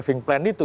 living plan itu